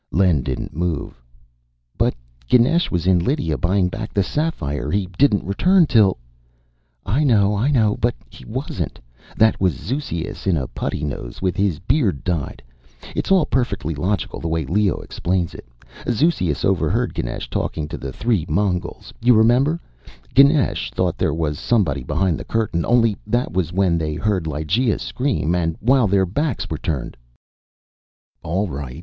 Len didn't move. "But Ganesh was in Lydia, buying back the sapphire. He didn't return till " "I know, I know. But he wasn't. That was Zeuxias in a putty nose with his beard dyed. It's all perfectly logical, the way Leo explains it. Zeuxias overheard Ganesh talking to the three Mongols you remember, Ganesh thought there was somebody behind the curtain, only that was when they heard Lygea scream, and while their backs were turned " "All right.